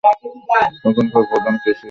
এখানকার প্রধান কৃষি ফসল ধান, পাট, সরিষা, তুলা।